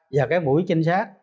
và cái buổi trinh sát